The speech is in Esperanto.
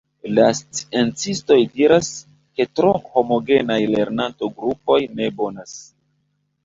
La sciencistoj diras, ke tro homogenaj lernanto-grupoj ne bonas.